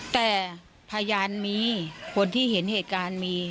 แต่พยานมีคนที่เห็นเหตุการณ์มี